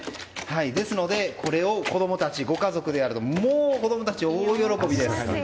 ですので、これを子供たちご家族でやるともう子供たち大喜びです。